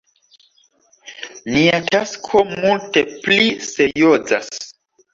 Nia tasko multe pli seriozas!